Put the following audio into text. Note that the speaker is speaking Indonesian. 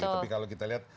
tapi kalau kita lihat